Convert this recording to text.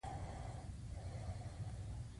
فعالیتونه یې په څلورو برخو ویشل کیږي.